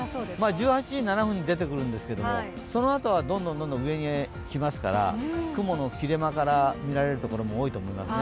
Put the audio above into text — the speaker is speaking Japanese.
１８時７分に出てくるんですけど、そのあとはどんどん上に来ますから雲の切れ間から見られる所も多いと思いますね。